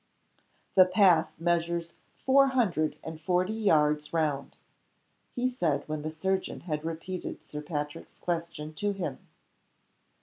"The path measures four hundred and forty yards round," he said, when the surgeon had repeated Sir Patrick's question to him.